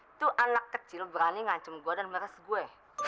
itu anak kecil berani ngancem gue dan meres gue